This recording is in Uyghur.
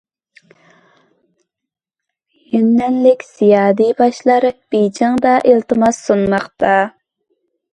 يۈننەنلىك زىيالىي ياشلار بېيجىڭدا ئىلتىماس سۇنماقتا.